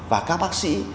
và các bác sĩ